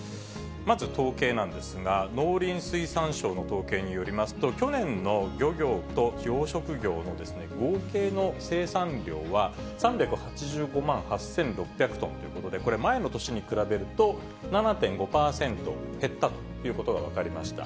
まず統計なんですが、農林水産省の統計によりますと、去年の漁業と養殖業の合計の生産量は、３８５万８６００トンということで、これ、前の年に比べると７．５％減ったということが分かりました。